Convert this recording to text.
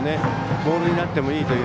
ボールになってもいいという。